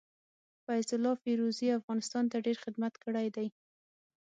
فيض الله فيروزي افغانستان ته ډير خدمت کړي دي.